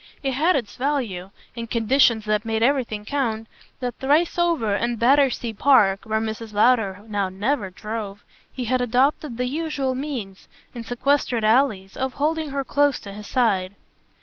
It had its value, in conditions that made everything count, that thrice over, in Battersea Park where Mrs. Lowder now never drove he had adopted the usual means, in sequestered alleys, of holding her close to his side.